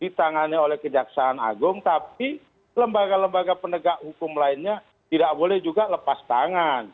ditangani oleh kejaksaan agung tapi lembaga lembaga penegak hukum lainnya tidak boleh juga lepas tangan